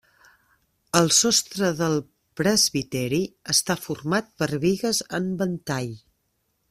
El sostre del presbiteri està format per bigues en ventall.